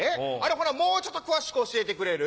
ほなもうちょっと詳しく教えてくれる？